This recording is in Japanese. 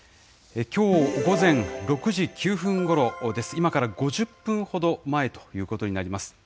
きょう午前６時９分ごろです、今から５０分ほど前ということになります。